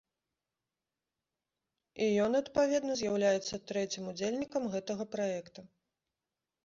І ён, адпаведна, з'яўляецца трэцім удзельнікам гэтага праекта.